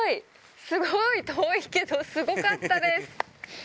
すごい、遠いけど、すごかったです。